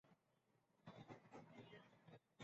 García Vaso tuvo de todo.